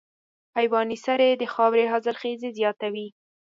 حیواني سرې د خاورې حاصلخېزي زیاتوي.